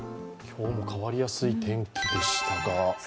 今日も変わりやすい天気でしたが。